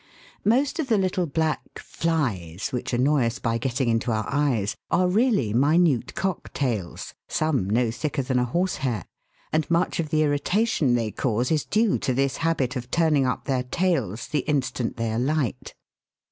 (Fig. 45.) Most of the little black "flies," which annoy us by getting into our eyes, are really minute Cock tails, some no thicker than a horse hair ; and much of the irritation they cause is due to this habit of turning up their tails the instant they alight.